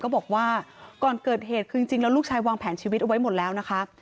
บอกว่าก่อนเกิดเหตุคือจริงแล้วลูกชายวางแผนชีวิตเอาไว้หมดแล้วนะคะ